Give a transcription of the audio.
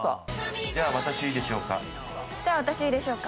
じゃあ私いいでしょうか？